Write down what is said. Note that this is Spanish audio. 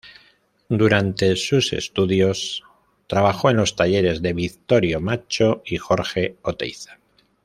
Durante sus estudios, trabajó en los talleres de Victorio Macho y Jorge Oteiza.